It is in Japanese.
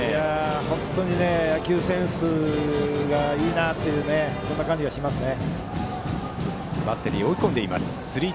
本当に野球センスがいいなという感じがしますね。